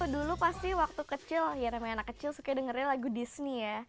dulu pasti waktu kecil ya remeh anak kecil suka dengarnya lagu disney ya